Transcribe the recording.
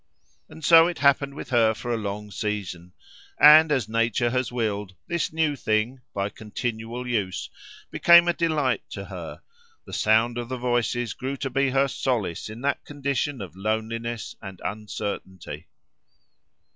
And so it happened with her for a long season. And as nature has willed, this new thing, by continual use, became a delight to her: the sound of the voice grew to be her solace in that condition of loneliness and uncertainty.